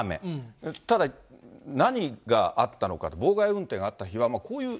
ただ、何があったのか、妨害運転はあった。